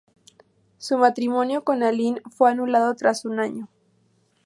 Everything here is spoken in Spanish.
Su matrimonio con Allin fue anulado tras un año.